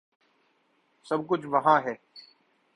سب کچھ وہاں ہے۔